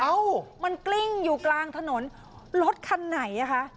เอ้ามันกลิ้งอยู่กลางถนนรถคันไหนอ่ะคะ